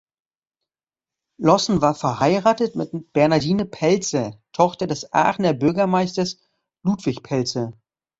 Lossen war verheiratet mit Bernardine Pelzer, Tochter des Aachener Bürgermeisters Ludwig Pelzer.